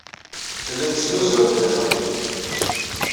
Telliḍ tesnuzuyeḍ-d ixabiten.